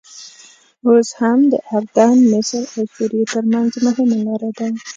اوس هم د اردن، مصر او سوریې ترمنځ مهمه لاره ده.